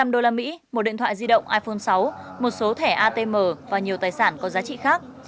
một trăm linh đô la mỹ một điện thoại di động iphone sáu một số thẻ atm và nhiều tài sản có giá trị khác